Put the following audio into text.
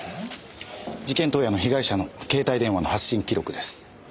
事件当夜の被害者の携帯電話の発信記録です。